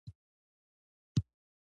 دریمه پوهه د ستونزې لپاره ضروري وي.